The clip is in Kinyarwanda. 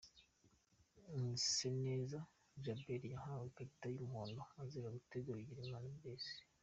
Mwiseneza Djamal yahawe ikarita y'umuhondo azira gutega Bigirimana Blaise.